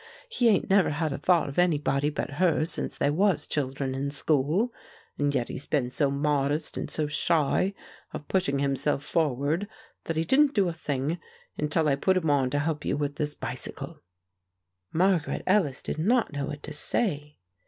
He 'ain't never had a thought of anybody but her since they was children in school; and yet he's been so modest and so shy of pushing himself forward that he didn't do a thing until I put him on to help you with this bicycle." Margaret Ellis did not know what to say.